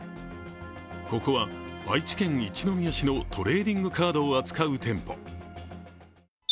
ここは愛知県一宮市のトレーディングカードを扱う店舗。